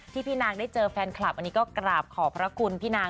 พี่นางได้เจอแฟนคลับอันนี้ก็กราบขอบพระคุณพี่นาง